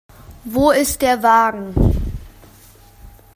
Wo ist der Wagen?